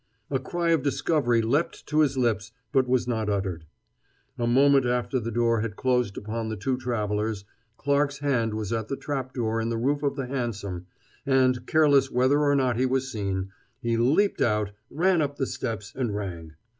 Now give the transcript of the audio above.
A cry of discovery leapt to his lips, but was not uttered. A moment after the door had closed upon the two travelers, Clarke's hand was at the trap door in the roof of the hansom, and, careless whether or not he was seen, he leaped out, ran up the steps, and rang.